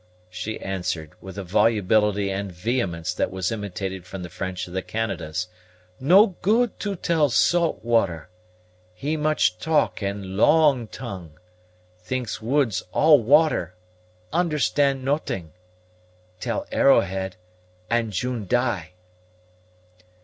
she answered, with a volubility and vehemence that was imitated from the French of the Canadas; "no good to tell Saltwater. He much talk and long tongue. Thinks woods all water, understand not'ing. Tell Arrowhead, and June die."